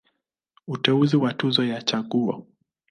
Uteuzi wa Tuzo ya Chaguo.